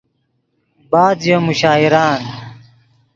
بعد ژے مشاعرآن